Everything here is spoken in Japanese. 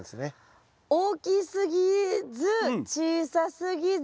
大きすぎず小さすぎず。